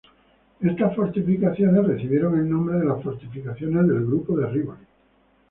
Estas fortificaciones recibieron el nombre de las fortificaciones del grupo de Rivoli.